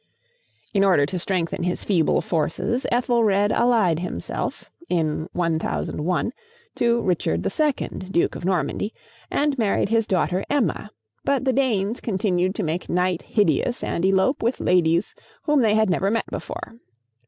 In order to strengthen his feeble forces, Ethelred allied himself, in 1001, to Richard II., Duke of Normandy, and married his daughter Emma, but the Danes continued to make night hideous and elope with ladies whom they had never met before.